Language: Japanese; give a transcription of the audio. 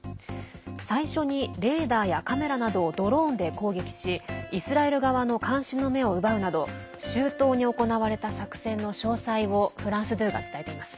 最初にレーダーやカメラなどをドローンで攻撃しイスラエル側の監視の目を奪うなど周到に行われた作戦の詳細をフランス２が伝えています。